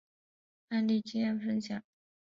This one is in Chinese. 案例经验分享